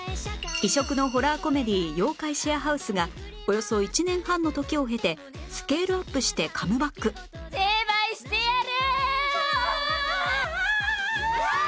異色のホラーコメディー『妖怪シェアハウス』がおよそ１年半の時を経てスケールアップしてカムバック成敗してやる！